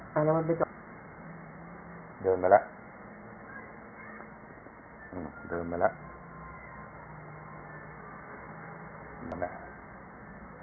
เดินไปแล้วเดินไปแล้ว